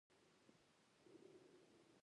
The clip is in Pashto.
د همدې اړیکې له لارې مو همکاري شونې کړه.